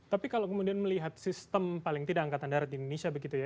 tapi kalau kemudian melihat sistem paling tidak angkatan darat di indonesia begitu ya